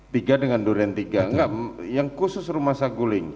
tiga dengan duren tiga yang khusus rumah saguling